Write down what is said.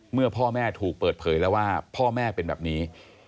เมื่อพ่อแม่ถูกเปิดเผยแล้วว่าพ่อแม่เป็นแบบนี้